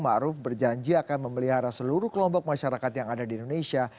⁇ maruf berjanji akan memelihara seluruh kelompok masyarakat yang ada di indonesia